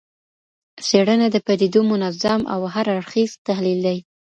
څېړنه د پدیدو منظم او هر اړخیز تحلیل دی.